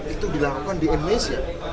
itu dilakukan di indonesia